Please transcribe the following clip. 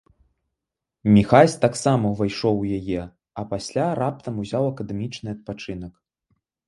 Міхась таксама ўвайшоў у яе, а пасля раптам узяў акадэмічны адпачынак.